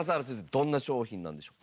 どんな商品なんでしょうか。